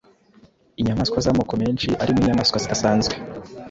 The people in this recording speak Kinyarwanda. inyamaswa z’ amoko menshi arimo inyamaswa zidasanzwe